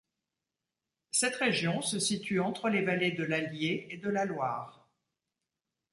Cette région se situe entre les vallées de l'Allier et de la Loire.